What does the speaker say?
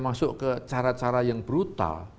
masuk ke cara cara yang brutal